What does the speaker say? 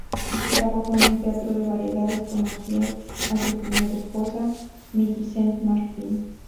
Trabajando en un teatro de variedades conoció a su primera esposa, Millicent Martin.